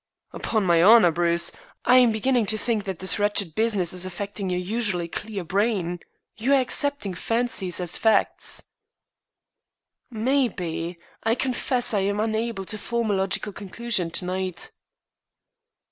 "'Pon my honor, Bruce, I am beginning to think that this wretched business is affecting your usually clear brain. You are accepting fancies as facts." "Maybe. I confess I am unable to form a logical conclusion to night."